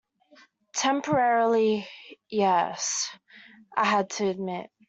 "Temporarily, yes," I had to admit.